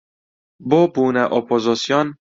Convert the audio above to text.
بۆ بوونە ئۆپۆزسیۆن